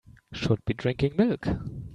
Should be drinking milk.